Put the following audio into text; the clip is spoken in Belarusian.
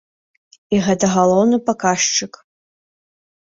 І гэта галоўны паказчык.